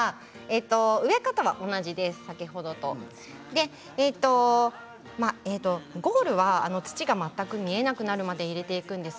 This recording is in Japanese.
植え方は同じです、先ほどとゴールは土が全く見えなくなるまで植えていきます。